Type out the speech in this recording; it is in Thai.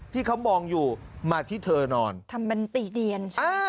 ที่เขามองอยู่มาที่เธอนอนทำเป็นติเรียน